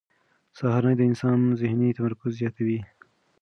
سهارنۍ د انسان ذهني تمرکز زیاتوي.